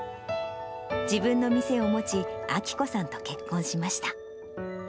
自分の店を持ち、晃子さんと結婚しました。